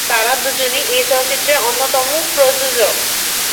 তারা দুজনই এই চলচ্চিত্রের অন্যতম প্রযোজক।